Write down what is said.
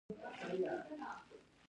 جنګ د ویرې، غم او رنج لامل کیږي.